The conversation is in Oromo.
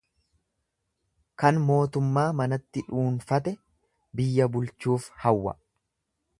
Kan mootummaa manatti dhuunfate biyya bulchuuf hawwa.